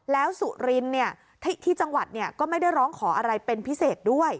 แล้วสุรินเนี่ยที่ที่จังหวัดเนี่ยก็ไม่ได้ร้องขออะไรเป็นพิเศษด้วย